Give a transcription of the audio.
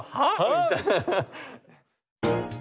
みたいな。